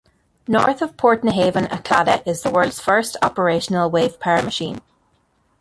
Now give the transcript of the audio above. North of Portnahaven, at Claddach, is the world's first operational wave power machine.